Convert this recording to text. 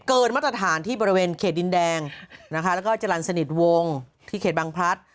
เกินมาตรฐานที่บริเวณเขตดินแดงและจรรย์สนิทวงที่เขตบางพรรดิ